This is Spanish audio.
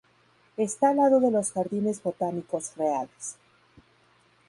Está al lado de los Jardines Botánicos Reales.